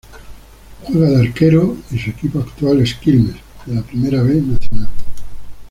Juega de arquero y su equipo actual es Quilmes, de la Primera B Nacional.